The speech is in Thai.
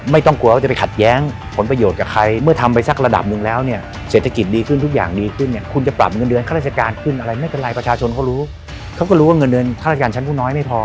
ไม่ต้องกลัวว่าจะไปขัดแย้งผลประโยชน์กับใครเมื่อทำไปสักระดับหนึ่งแล้วเนี่ยเศรษฐกิจดีขึ้นทุกอย่างดีขึ้นเนี่ยคุณจะปรับเงินเดือนข้าราชการขึ้นอะไรไม่เป็นไรประชาชนเขารู้เขาก็รู้ว่าเงินเดือนข้าราชการชั้นผู้น้อยไม่พอ